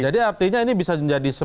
jadi artinya ini bisa jadi